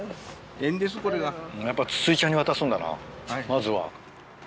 やっぱ筒井ちゃんに渡すんだなまずは。